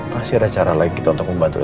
pasti ada cara lagi untuk membantu elsa